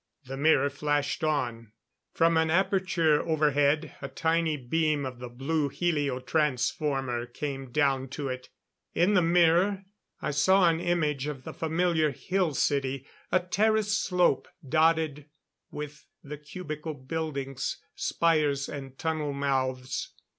The mirror flashed on. From an aperture overhead, a tiny beam of the blue helio transformer came down to it. In the mirror I saw an image of the familiar Hill City. A terraced slope, dotted with the cubical buildings, spires and tunnel mouths.